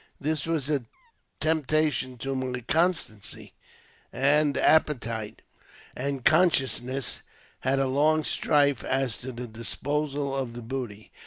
This was a temptation to my constancy ; and appetite and conscientiousness had a long strife as to the disposal of the booty.